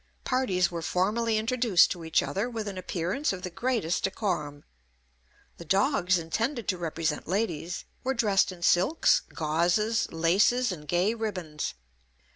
Parties were formally introduced to each other with an appearance of the greatest decorum. The dogs intended to represent ladies were dressed in silks, gauzes, laces, and gay ribbons.